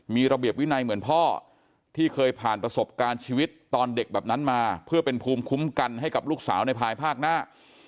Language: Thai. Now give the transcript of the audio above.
มีระเบียบวินัยเหมือนพ่อที่เคยผ่านประสบการณ์ชีวิตตอนเด็กแบบนั้นมาเพื่อเป็นภูมิคุ้มกันให้กับลูกสาวในภายภาคหน้า